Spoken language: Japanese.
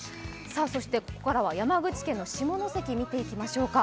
ここからは山口県の下関を見ていきましょうか。